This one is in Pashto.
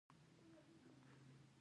یوازې کار ته اړتیا ده.